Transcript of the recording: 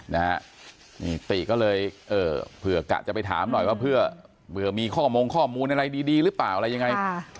นี่ติก็เลยเออเผื่อกะจะไปถามหน่อยว่าเพื่อเบื่อมีข้อมูลอะไรดีหรือเปล่าอะไรยังไง